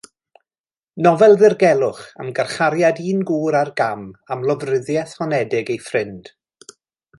Nofel ddirgelwch am garchariad un gŵr ar gam am lofruddiaeth honedig ei ffrind.